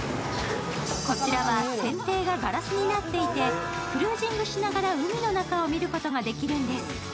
こちらは船底が硝子になっていて、クルージングしながら海の中を見ることができるんです。